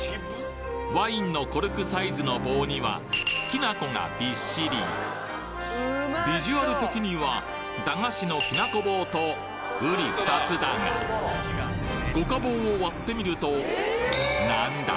ワインのコルクサイズの棒にはきな粉がびっしりビジュアル的には駄菓子のきなこ棒と瓜二つだが五家宝を割ってみるとなんだ？